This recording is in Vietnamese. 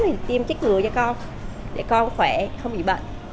thì tiêm trích ngừa cho con để con khỏe không bị bệnh